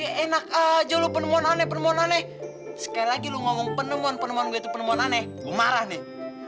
eh enak aja lu penemuan aneh permohonan eh sekali lagi lo ngomong penemuan penemuan gue itu penemuan aneh gue marah nih